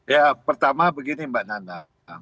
ya pertama begini mbak nana